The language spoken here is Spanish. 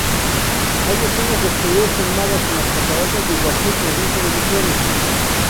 Hay escenas de exteriores filmadas en las Cataratas de Iguazú, provincia de Misiones.